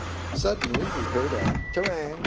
Suddenly we heard a _tereng!